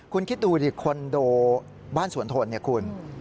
คุณคิดดูดิคอนโดบ้านสวนทนเนี่ยคุณ